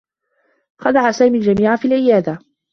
خدع سامي الجميع في العيادة.